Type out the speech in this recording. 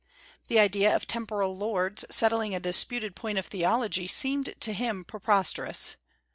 The idea of temporal lords settling a disputed point of theology seemed to him preposterous.